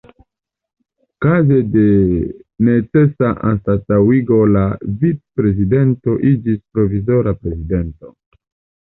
Kaze de necesa anstataŭigo la Vicprezidento iĝis Provizora Prezidento.